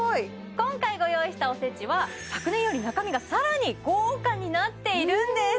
今回ご用意したおせちは昨年より中身がさらに豪華になっているんです！